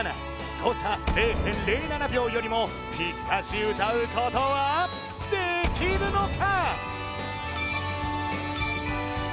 誤差０．０７秒よりもピッタシ歌うことはできるのか？